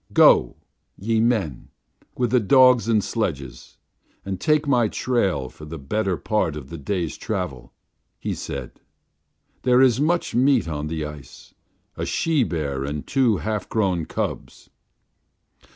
"Go, ye men, with the dogs and sledges, and take my trail for the better part of a day's travel," he said. "There is much meat on the ice a she bear and two half grown cubs."